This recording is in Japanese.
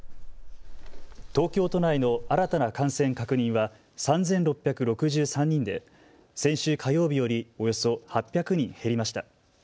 東京都内の新たな感染確認は３６６３人で先週火曜日よりおよそ８００人減りました。